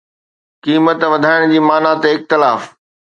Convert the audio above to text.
قيمت وڌائڻ جي معني تي اختلاف